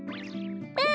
うん！